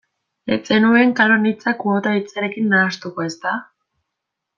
Ez zenuen kanon hitza kuota hitzarekin nahastuko, ezta?